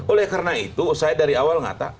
oleh karena itu saya dari awal ngata